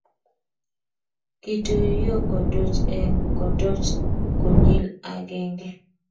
Kituiyo tokoch eng tokoch konyil akenge